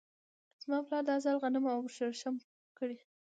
زما پلار دا ځل غنم او شړشم کري.